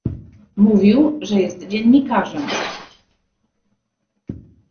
"Mówił, że jest dziennikarzem."